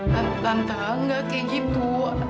tante tante enggak kayak gitu